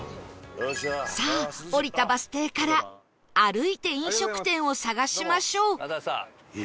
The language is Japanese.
さあ降りたバス停から歩いて飲食店を探しましょう